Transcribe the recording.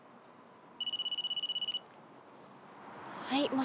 はい。